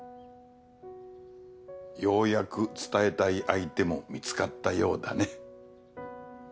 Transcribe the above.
ようやく伝えたい相手も見つかったようだね。